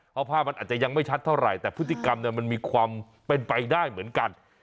เพราะภาพมันอาจจะยังไม่ชัดเท่าไหร่แต่พฤติกรรมมันมีความเป็นไปได้เหมือนกัน